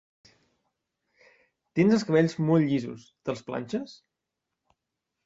Tens els cabells molt llisos, te'ls planxes?